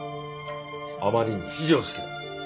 あまりに非常識だ！